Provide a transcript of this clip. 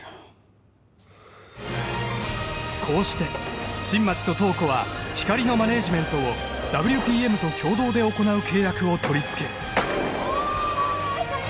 こうして新町と塔子はひかりのマネージメントをＷＰＭと共同で行う契約を取りつけるうおっひかり